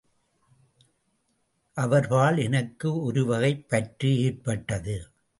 அவர்பால் எனக்கு ஒருவகைப் பற்று ஏற்பட்டது.